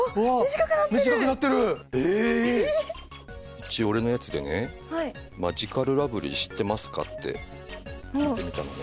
一応俺のやつでねマヂカルラブリー知ってますか？って聞いてみたのね。